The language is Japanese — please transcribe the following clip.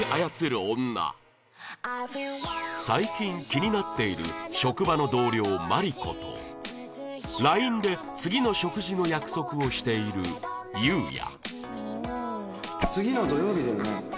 最近気になっている職場の同僚マリコと ＬＩＮＥ で次の食事の約束をしているユウヤ